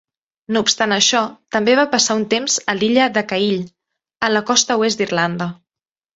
No obstant això, també va passar un temps a l'illa d'Acaill, a la costa oest d'Irlanda.